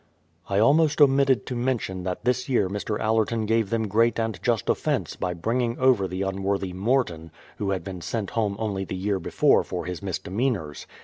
I almost omitted to mention that this year Mr. Allerton gave them great and just offence by bringing over the un 206 BRADFORD'S HISTORY OF worthy Morton, who had been sent home only the year before for his misdemeanours.